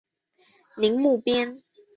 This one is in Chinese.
宁木边。